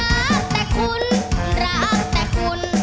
แต่เลื่อมจะหักทันไป